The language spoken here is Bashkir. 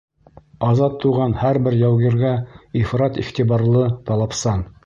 Азат туған һәр бер яугиргә ифрат иғтибарлы, талапсан.